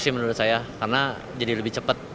sih menurut saya karena jadi lebih cepat